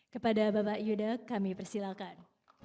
kepada bapak yudha kami persilakan